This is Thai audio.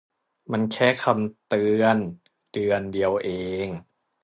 มันแค่คำเตือน เดือนเดียวเอง